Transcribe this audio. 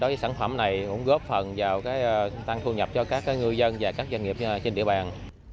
đối với sản phẩm này cũng góp phần vào tăng thu nhập cho các ngư dân và các doanh nghiệp trên địa bàn